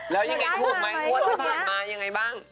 แล้วยังไงควบคุณไหมควบคุณมาอย่างไรบ้าง